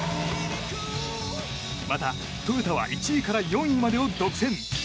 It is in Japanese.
またトヨタは１位から４位までを独占。